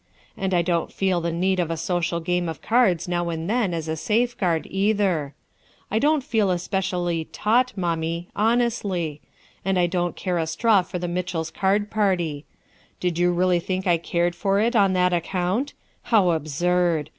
And I don't feel the need of a social game of cards now and then as a safeguard, cither. I don't feel especially ' taut, ' mommie, honestly ; and I don't care a straw for the Mitchells' card party. Did you really think I cared for it on that account? How absurd!